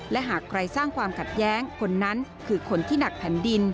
และหากใครสร้างความขัดแย้งคนนั้นคือคนที่หนักแผ่นดิน